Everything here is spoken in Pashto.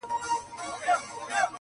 لکه پاڼه د خزان باد به مي یوسي!.